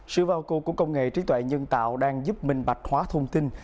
sự vào cuộc của công nghệ trí tuệ nhân tạo đang giúp minh bạch hóa thông tin